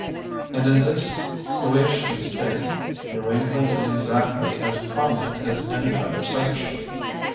And in this Boeotian state, New England is exactly as prominent as any other section.